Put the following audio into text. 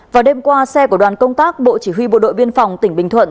vào đêm qua xe của đoàn công tác bộ chỉ huy bộ đội biên phòng tỉnh bình thuận